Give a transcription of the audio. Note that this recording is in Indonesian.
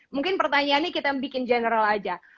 mungkin pertanyaannya kita bikin general aja